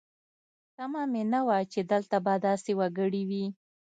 تمه مې نه وه چې دلته به داسې وګړي وي.